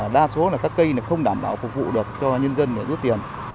đa số là các cây không đảm bảo phục vụ được cho nhân dân để rút tiền